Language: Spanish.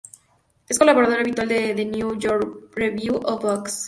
Es colaborador habitual de The New York Review of Books.